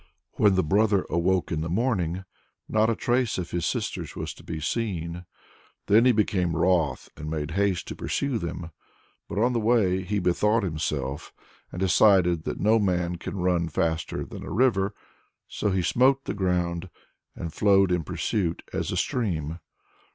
When the brother awoke in the morning, not a trace of his sisters was to be seen. Then he became wroth, and made haste to pursue them. But on the way he bethought himself, and decided that no man can run faster than a river. So he smote the ground, and flowed in pursuit as a stream.